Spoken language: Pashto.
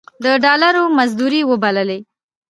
د ډالرو مزدورۍ وبللې.